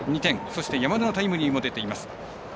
そして、山田のタイムリーも出ています。